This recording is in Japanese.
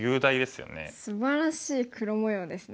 すばらしい黒模様ですね。